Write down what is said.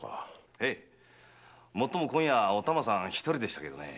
ええもっとも今夜はお玉さん一人でしたけどね。